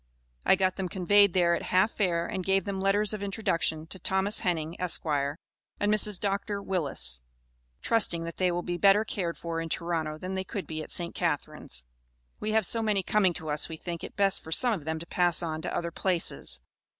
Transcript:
I got them conveyed there at half fare, and gave them letters of introduction to Thomas Henning, Esq., and Mrs. Dr. Willis, trusting that they will be better cared for in Toronto than they could be at St. Catharines. We have so many coming to us we think it best for some of them to pass on to other places.